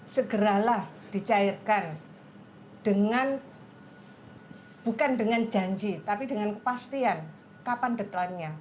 segeralah dicairkan dengan bukan dengan janji tapi dengan kepastian kapan deklannya